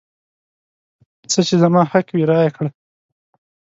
څه چې زما حق وي رایې کړه.